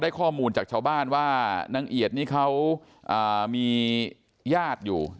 ข้อมูลจากชาวบ้านว่านางเอียดนี่เขามีญาติอยู่